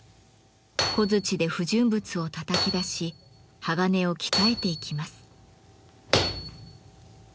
小づちで不純物をたたき出し鋼を鍛えていきます。